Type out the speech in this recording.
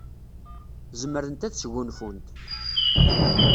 Zemrent ad sgunfunt.